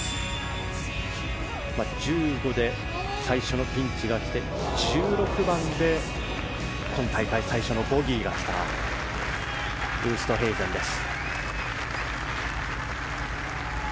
１５で最初のピンチがきて１６番で今大会最初のボギーがきたウーストヘイゼンです。